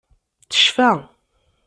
Tecfa.